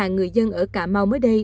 năm mươi năm người dân ở cà mau mới đây